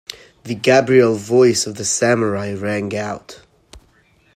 The Gabriel voice of the Samurai rang out.